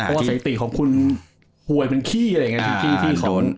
เพราะว่าสถิติของคุณหวยเป็นขี้อะไรอย่างนี้